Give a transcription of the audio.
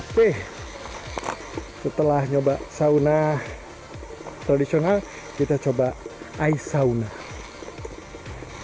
oke setelah mencoba sauna tradisional kita coba sauna air